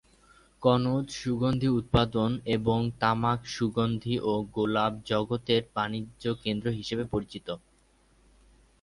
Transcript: কনৌজ সুগন্ধী উৎপাদন এবং তামাক, সুগন্ধী ও গোপাল জলের বাণিজ্যকেন্দ্র হিসেবে পরিচিত।